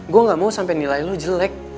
gue gak mau sampe nilai lu jelek